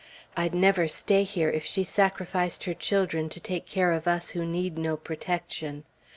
I'd never stay here, if she sacrificed her children to take care of us who need no protection.